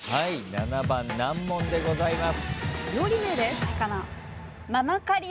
７番難問でございます。